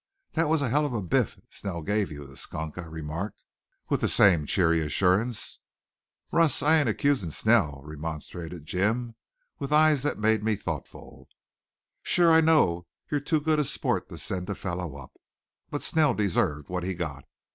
"That was a hell of a biff Snell gave you, the skunk," I remarked with the same cheery assurance. "Russ, I ain't accusin' Snell," remonstrated Jim with eyes that made me thoughtful. "Sure, I know you're too good a sport to send a fellow up. But Snell deserved what he got.